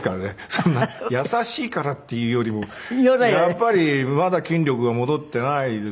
そんな優しいからっていうよりもやっぱりまだ筋力が戻っていないですから。